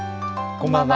こんばんは。